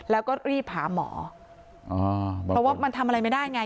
แล้วก็รีบหาหมออ๋อเพราะว่ามันทำอะไรไม่ได้ไง